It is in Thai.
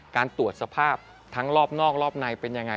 การตรวจสภาพทั้งรอบนอกรอบในเป็นยังไง